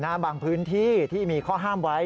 บางพื้นที่ที่มีข้อห้ามไว้